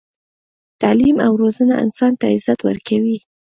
تعلیم او روزنه انسان ته عزت ورکوي.